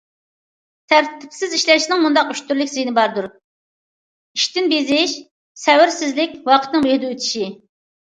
تەرتىپسىز ئىشلەشنىڭ مۇنداق ئۈچ تۈرلۈك زىيىنى باردۇر: ئىشتىن بېزىش، سەۋرسىزلىك، ۋاقىتنىڭ بىھۇدە ئۆتۈشى.